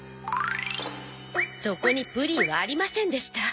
そこにプリンはありませんでした。